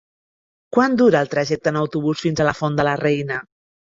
Quant dura el trajecte en autobús fins a la Font de la Reina?